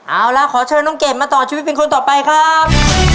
เอาล่ะขอเชิญน้องเกดมาต่อชีวิตเป็นคนต่อไปครับ